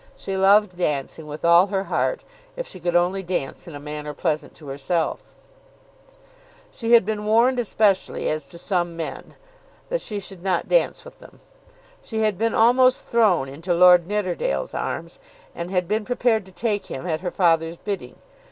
She loved dancing with all her heart if she could only dance in a manner pleasant to herself. She had been warned especially as to some men, that she should not dance with them. She had been almost thrown into Lord Nidderdale's arms, and had been prepared to take him at her father's bidding.